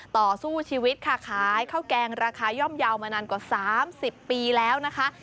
ต่อสู้ชีวิตค่ะขายข้าวแกงราคาย่อมเยาว์มานานกว่า๓๐ปีแล้วนะคะ